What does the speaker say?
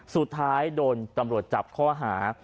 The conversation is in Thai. สุดท้ายโดนตำรวจจับข้อหา